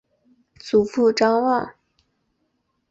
祖父张旺。